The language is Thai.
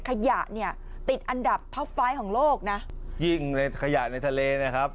ขยะเนี่ยติดอันดับท็อปไฟต์ของโลกนะยิ่งในขยะในทะเลนะครับ